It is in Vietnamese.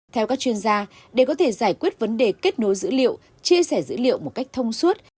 theo các chuyên gia để có thể giải quyết vấn đề kết nối dữ liệu chia sẻ dữ liệu một cách thông suốt